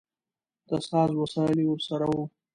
د ساز وسایل یې ورسره و.